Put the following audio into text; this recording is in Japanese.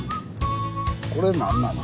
これ何なの？